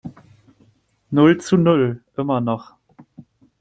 Null zu null, immer noch.